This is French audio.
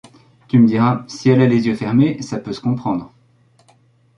Tu me diras, si elle a les yeux fermés, ça peut se comprendre…